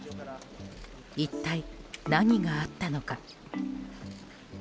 一体何があったのか。